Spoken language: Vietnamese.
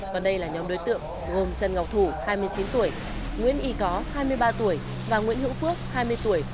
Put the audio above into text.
còn đây là nhóm đối tượng gồm trần ngọc thủ hai mươi chín tuổi nguyễn y có hai mươi ba tuổi và nguyễn hữu phước hai mươi tuổi